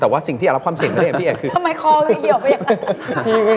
แต่ว่าสิ่งที่อาจรับเครื่องเสี่ยงไม่ได้เห็นพี่เอกคือทำไมคอยเหยียบอยู่